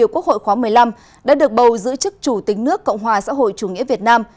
quốc hội khóa một mươi năm đã được bầu giữ chức chủ tịch nước cộng hòa xã hội chủ nghĩa việt nam